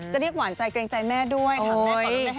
จะเรียกหวานใจเกรงใจแม่ด้วยค่ะ